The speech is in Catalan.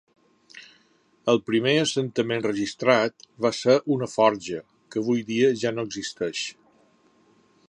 El primer assentament registrat va ser una forja, que avui dia ja no existeix.